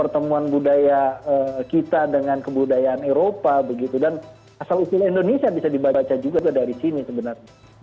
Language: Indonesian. pertemuan budaya kita dengan kebudayaan eropa begitu dan asal usul indonesia bisa dibaca juga dari sini sebenarnya